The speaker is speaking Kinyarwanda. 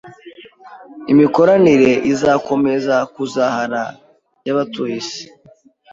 imikoranire izakomeza kuzahara yabatuye isi